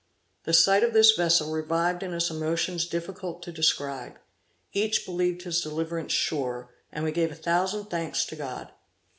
The sight of this vessel revived in us emotions difficult to describe. Each believed his deliverance sure, and we gave a thousand thanks to God.